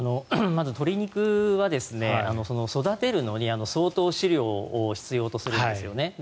まず鶏肉は育てるのに相当、飼料を必要とするんですよね。